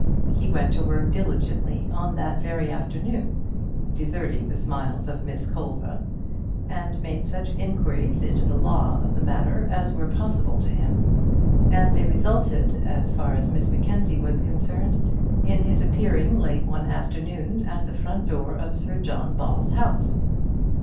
He went to work diligently on that very afternoon, deserting the smiles of Miss Colza, and made such inquiries into the law of the matter as were possible to him; and they resulted, as far as Miss Mackenzie was concerned, in his appearing late one afternoon at the front door of Sir John Ball's house.